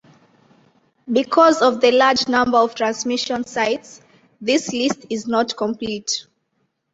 Because of the large number of transmission sites, this list is not complete.